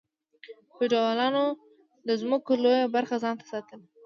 فیوډالانو د ځمکو لویه برخه ځان ته ساتله.